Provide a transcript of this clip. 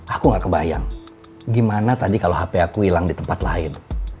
aku gak kebayang gimana tadi kalau hp aku hilang di tempat lain